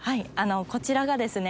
こちらがですね